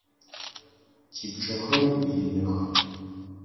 Типчъэхэр иных.